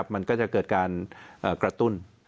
มันก็จะเกิดการกระตุ้น